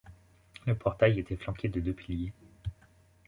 Le portail était flanqué de deux piliers.